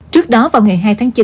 trước đó vào ngày hai tháng chín